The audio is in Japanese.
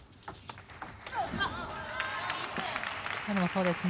今のもそうですね。